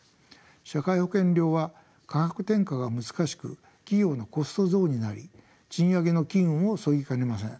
社会保険料は価格転嫁が難しく企業のコスト増になり賃上げの機運をそぎかねません。